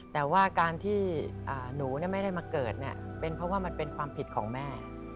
แต่ว่าการที่หนูไม่ได้มาเกิดเป็นเพราะว่ามันเป็นความผิดของแม่